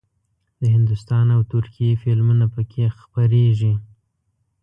د هندوستان او ترکیې فلمونه پکې خپرېږي.